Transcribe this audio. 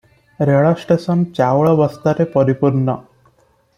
ରେଳ ଷ୍ଟେସନ ଚାଉଳବସ୍ତାରେ ପରିପୂର୍ଣ୍ଣ ।